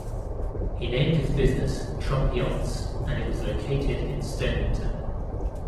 He named his business Trump Yachts and it was located in Stonington.